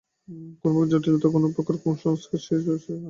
কোন প্রকার জটিলতা, কোন প্রকার কুসংস্কার সেই চরিত্রে দৃষ্ট হয় না।